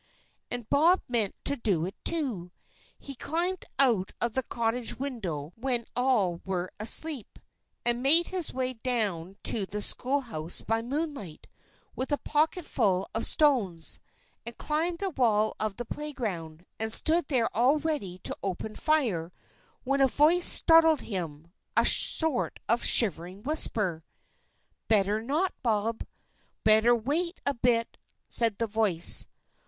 And Bob meant to do it, too. He climbed out of the cottage window when all were asleep, and made his way down to the schoolhouse by moonlight, with a pocketfull of stones, and climbed the wall of the playground, and stood there all ready to open fire, when a voice startled him, a sort of shivering whisper. "Better not, Bob! Better wait a bit!" said the voice.